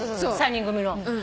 ３人組の。